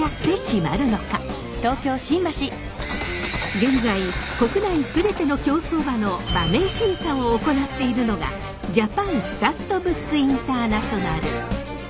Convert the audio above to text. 現在国内すべての競走馬の馬名審査を行っているのがジャパン・スタッドブック・インターナショナル。